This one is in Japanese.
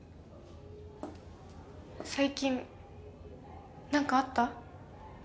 最近何かあった？